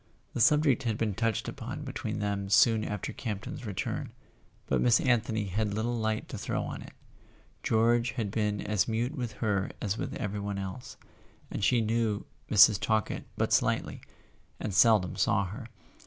The subject had been touched upon between them soon after Campton's return, but Miss Anthony had little light to throw on it: George had been as mute with her as with every one else, and she knew Mrs. Talkett but slightly, and seldom saw her.